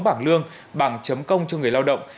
bảng lương bảng chấm công cho người lao động